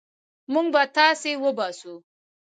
موږ به تاسي وباسو.